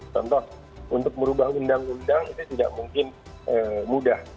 contoh untuk merubah undang undang itu tidak mungkin mudah